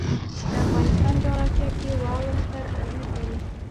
د افغانستان جغرافیه کې واوره ستر اهمیت لري.